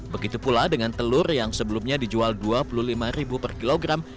begitu pula dengan telur yang sebelumnya dijual rp dua puluh lima per kilogram